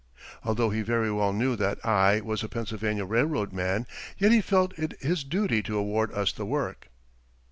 Although he very well knew that I was a Pennsylvania Railroad man, yet he felt it his duty to award us the work.